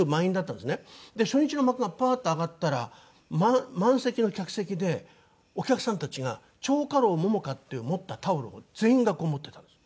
で初日の幕がパーッと上がったら満席の客席でお客さんたちが「蝶花楼桃花」って持ったタオルを全員がこう持ってたんですよ。